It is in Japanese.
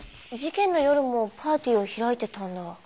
事件の夜もパーティーを開いてたんだ。